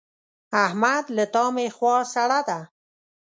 احمد له تا مې خوا سړه ده.